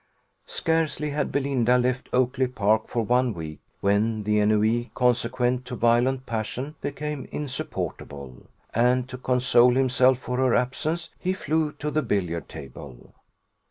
Scarcely had Belinda left Oakly park for one week when the ennui consequent to violent passion became insupportable; and to console himself for her absence he flew to the billiard table.